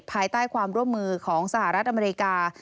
ภายใต้ความร่วมมือของสหรัฐอเมริกา